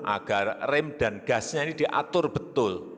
agar rem dan gasnya ini diatur betul